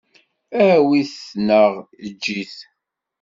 Awi-t neɣ eǧǧ-it.